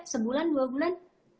sebulan dua bulan